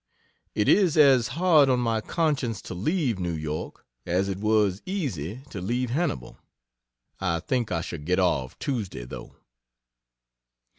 It is as hard on my conscience to leave New York, as it was easy to leave Hannibal. I think I shall get off Tuesday, though.